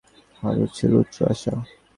হারুর ছিল উচ্চ আশা।